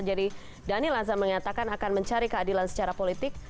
jadi daniel langsam mengatakan akan mencari keadilan secara politik